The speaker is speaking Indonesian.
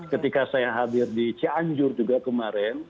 ketika saya hadir di cianjur juga kemarin